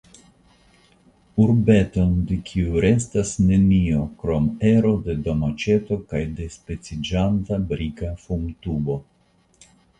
Urbeton de kiu restas nenio krom ero de domaĉeto kaj dispeciĝanta brika fumtubo!